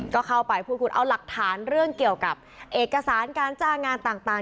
ก็เข้าไปพูดคุยเอาหลักฐานเรื่องเกี่ยวกับเอกสารการจ้างงานต่าง